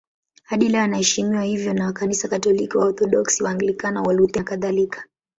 Hadi leo anaheshimiwa hivyo na Kanisa Katoliki, Waorthodoksi, Waanglikana, Walutheri nakadhalika.